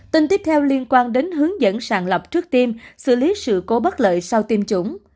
tin tiếp theo liên quan đến hướng dẫn sàng lọc trước tiêm xử lý sự cố bất lợi sau tiêm chủng